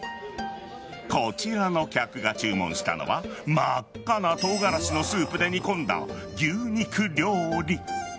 こちらの客が注文したのは真っ赤な唐辛子のスープで煮込んだ牛肉料理。